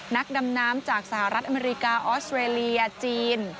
นักดำน้ำจากสหรัฐอเมริกาออสเตรเลียจีน